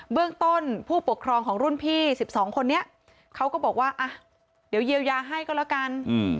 เรื่องต้นผู้ปกครองของรุ่นพี่๑๒คนนี้เขาก็บอกว่าอ่ะเดี๋ยวเยียวยาให้ก็แล้วกัน